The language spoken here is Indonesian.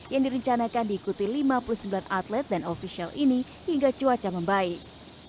yang direncanakan diikuti lima puluh sembilan atlet dan ofisial ini hingga cuaca membaik